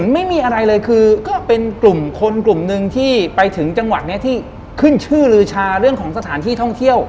ไม่มีอะไรเลยคือก็เป็นกลุ่มคนกลุ่มหนึ่งที่ไปถึงจังหวัดนี้ที่ขึ้นชื่อลือชาเรื่องของสถานที่ท่องเที่ยว